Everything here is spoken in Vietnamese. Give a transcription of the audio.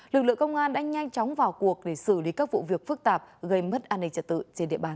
lực lượng công an đã nhanh chóng vào cuộc để xử lý các vụ việc phức tạp gây mất an ninh trật tự trên địa bàn